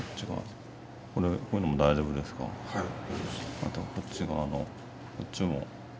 あとこっち側のこっちも。